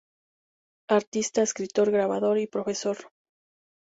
Artista, escritor, grabador y profesor.